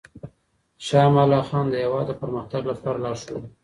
شاه امان الله خان د هېواد د پرمختګ لپاره لارښود و.